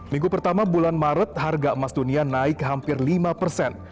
minggu pertama bulan maret harga emas dunia naik hampir lima persen